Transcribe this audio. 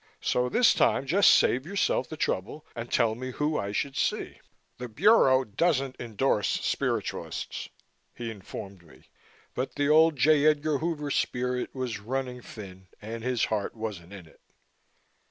So this time just save yourself the trouble, and tell me who I should see." "The Bureau doesn't endorse spiritualists," he informed me, but the old J. Edgar Hoover spirit was running thin and his heart wasn't in it.